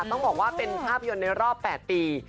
ต้องบอกว่าเป็นภาพยนตร์ในรอบ๘ปี